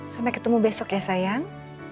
sampai ketemu besok ya sayang